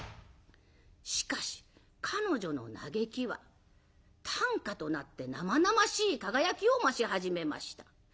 しかし彼女の嘆きは短歌となって生々しい輝きを増し始めました。